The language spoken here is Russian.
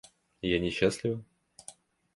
Я несчастлива?